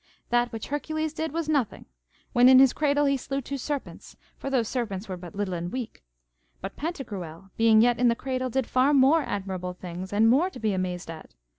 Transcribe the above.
That which Hercules did was nothing, when in his cradle he slew two serpents, for those serpents were but little and weak, but Pantagruel, being yet in the cradle, did far more admirable things, and more to be amazed at.